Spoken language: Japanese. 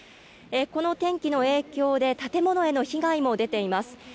この天気の影響で、建物への被害も出ています。